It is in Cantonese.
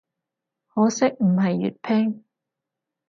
可惜唔係粵拼